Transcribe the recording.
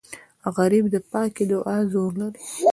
غریب د پاکې دعا زور لري